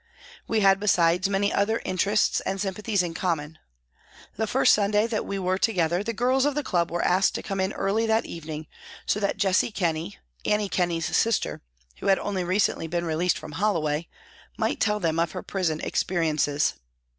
We had, besides, many other interests and sympathies in common. The first Sunday that we were together, the girls of the club were asked to come in early that evening, so 10 PRISONS AND PRISONERS that Jessie Kenney, Annie Kenney's sister, who had only recently been released from Holloway, might tell them of her prison experiences.